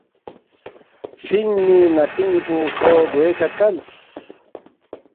فِینگمی نتِنگ پو کھو گوے کھہ کلس